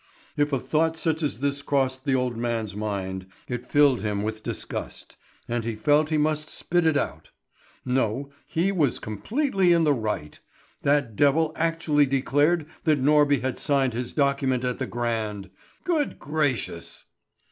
If a thought such as this crossed the old man's mind, it filled him with disgust, and he felt he must spit it out. No, he was completely in the right. That devil actually declared that Norby had signed his document at the Grand! Good gracious!